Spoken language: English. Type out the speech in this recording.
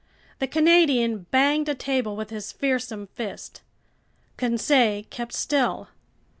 The Canadian banged a table with his fearsome fist. Conseil kept still.